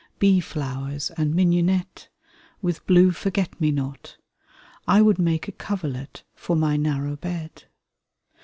Bee flowers and mignonette, with blue forget me not — I would make a coverlet for my narrow bed.